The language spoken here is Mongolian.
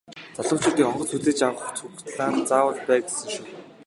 Залуучуудыг онгоц хүлээж авах цуглаанд заавал бай гэсэн шүү.